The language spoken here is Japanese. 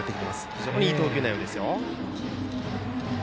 非常にいい投球内容ですよ。